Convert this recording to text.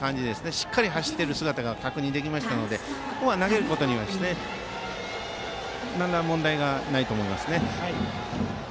しっかり走っている姿が確認できましたので投げることに問題はないと思います。